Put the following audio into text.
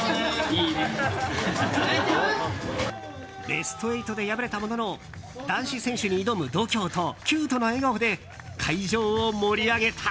ベスト８で敗れたものの男子選手に挑む度胸とキュートな笑顔で会場を盛り上げた。